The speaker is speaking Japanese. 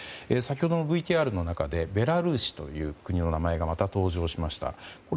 先ほどのＶＴＲの中でベラルーシという国の名前がまた登場しました。